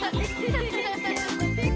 ハハハッ！